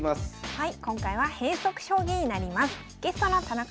はい。